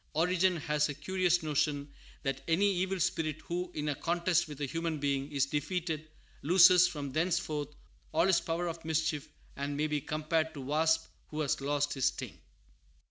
Origen has a curious notion that any evil spirit who, in a contest with a human being, is defeated, loses from thenceforth all his power of mischief, and may be compared to a wasp who has lost his sting.